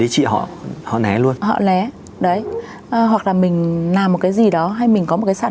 cái tâm lý của tú